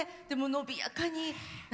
でも伸びやかに。